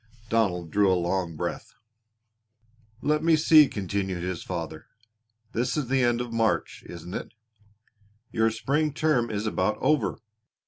Donald drew a long breath. "Let me see," continued his father, "this is the end of March, isn't it? Your spring term is about over.